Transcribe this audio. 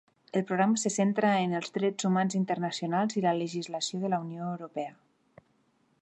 El programa se centra en els drets humans internacionals i la legislació de la Unió Europea.